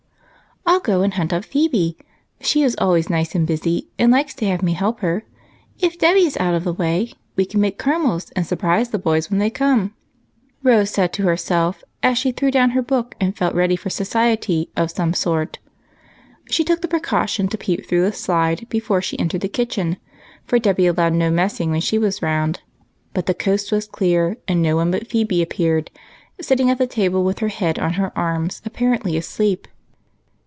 "I'll go and hunt up Phebe, she is always nice and busy, and likes to have me help her. If Dolly is Out of the way we can make caramels and surprise the boys when they come," Rose said to herself, as she threw down her book and felt ready for society of some sort. 254 EIGHT COUSINS. She took the precaution to peep through the slide before she entered the kitchen, for Dolly allowed no messing when she was round. But the coast was clear, and no one but Phebe appeared, sitting at the table with her head on her arms apparently asleep.